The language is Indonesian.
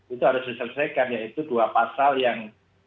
itu harus diselesaikan yaitu dua pasal yang